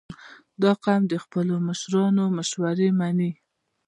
• دا قوم د خپلو مشرانو مشورې منې.